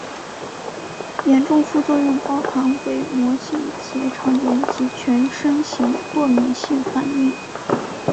严重副作用包含伪膜性结肠炎及全身型过敏性反应。